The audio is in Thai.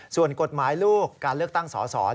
ส่วนกฎหมายลูกการเลือกตั้งสอสอ